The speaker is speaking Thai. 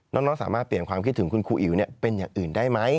น้องสามารถเปลี่ยนความคิดถึงคุณครูอิ๋วเป็นอย่างอื่นได้ไหม